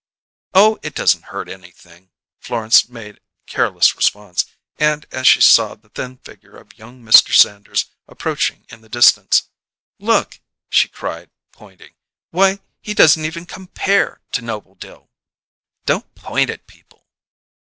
"Oh, it doesn't hurt anything!" Florence made careless response, and, as she saw the thin figure of young Mr. Sanders approaching in the distance, "Look!" she cried, pointing. "Why, he doesn't even compare to Noble Dill!" "Don't point at people!"